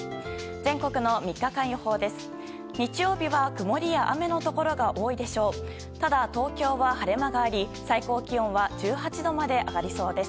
全国の３日間予報です。